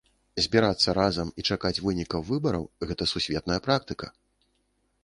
Збірацца разам і чакаць вынікаў выбараў гэта сусветная практыка.